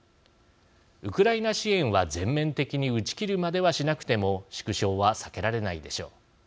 ウクライナ支援は、全面的に打ち切るまではしなくても縮小は避けられないでしょう。